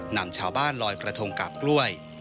นำชาวบ้านลอยกระทงกาบกล้วย